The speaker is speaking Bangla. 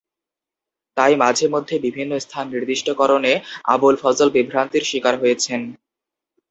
তাই মাঝে মধ্যে বিভিন্ন স্থান নির্দিষ্টকরণে আবুল ফজল বিভ্রান্তির শিকার হয়েছেন।